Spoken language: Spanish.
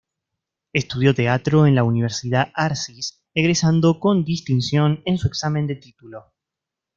Estudió Teatro en la Universidad Arcis, egresando con distinción en su examen de título.